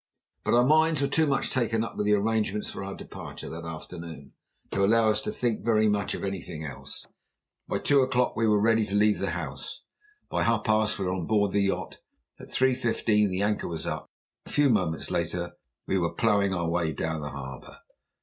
But our minds were too much taken up with the arrangements for our departure that afternoon to allow us to think very much of anything else. By two o'clock we were ready to leave the house, by half past we were on board the yacht, at three fifteen the anchor was up, and a few moments later we were ploughing our way down the harbour.